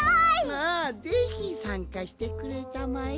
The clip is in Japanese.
ああぜひさんかしてくれたまえ。